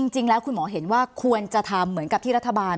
จริงแล้วคุณหมอเห็นว่าควรจะทำเหมือนกับที่รัฐบาล